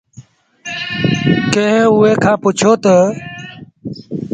ڪݩهݩ اُئي کآݩ پُڇيو تا